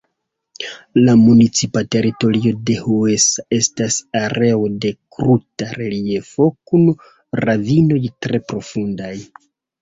La municipa teritorio de Huesa estas areo de kruta reliefo kun ravinoj tre profundaj.